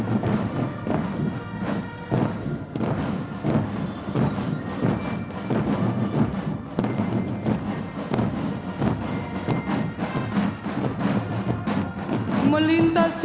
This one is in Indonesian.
sersan mayor dua taruna fajar m alvaro